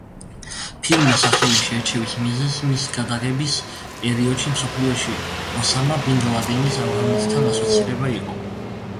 ფილმის სახელის შერჩევის მიზეზი მისი გადაღების პერიოდში მსოფლიოში ოსამა ბინ ლადენის ავღანეთთან ასოცირება იყო.